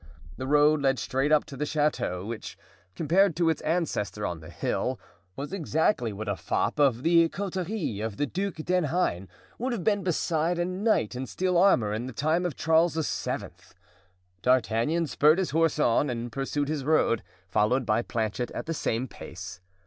The road led straight up to the chateau which, compared to its ancestor on the hill, was exactly what a fop of the coterie of the Duc d'Enghein would have been beside a knight in steel armor in the time of Charles VII. D'Artagnan spurred his horse on and pursued his road, followed by Planchet at the same pace.